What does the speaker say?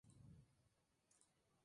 Tener y exigir tener derechos.